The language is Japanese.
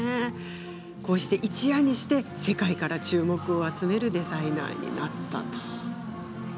こうして、一夜にして世界から注目を集めるデザイナーになりました。